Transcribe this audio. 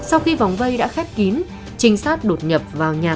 sau khi vòng vây đã khép kín trinh sát đột nhập vào nhà